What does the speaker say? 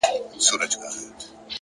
د حقیقت منل داخلي ازادي راولي،